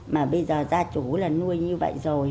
mà bây giờ ra chỗ là nuôi như vậy rồi